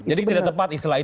jadi tidak tepat istilah itu